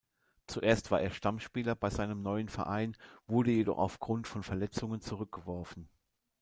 Zuerst war er Stammspieler bei seinem neuen Verein, wurde jedoch aufgrund von Verletzungen zurückgeworfen.